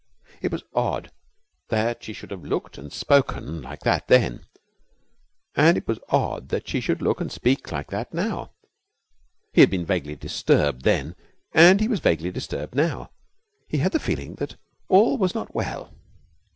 It was odd that she should have looked and spoken like that then, and it was odd that she should look and speak like that now. He had been vaguely disturbed then and he was vaguely disturbed now. He had the feeling that all was not well.